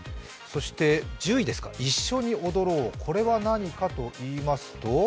１０位、一緒に踊ろうは何かといいますと？